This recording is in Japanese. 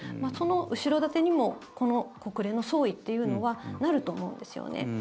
その後ろ盾にもこの国連の総意というのはなると思うんですよね。